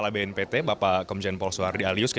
bapak komjen paul soehardi alius